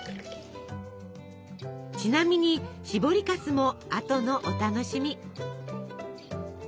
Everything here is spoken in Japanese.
ちなみにしぼりかすもあとのお楽しみ。